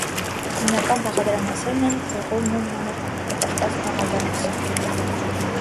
Հիմնական բաղադրամասերն են բուլղուրն ու մանր կտրտած մաղադանոսը։